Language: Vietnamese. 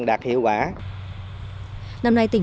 bã năm nay tỉnh